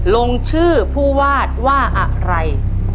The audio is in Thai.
ลงชื่อผู้วาดว่าอะไร